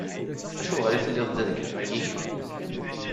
Acuɣer i telliḍ da deg ṛṛay-ik?